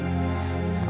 aku selalu yakin